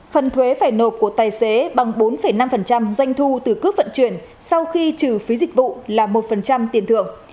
phần thuế phải nộp của tài xế bằng bốn năm doanh thu từ cướp vận chuyển sau khi trừ phí dịch vụ là một tiền thưởng